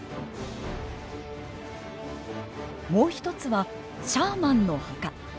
もう一つはシャーマンの墓。